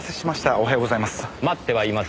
おはようございます。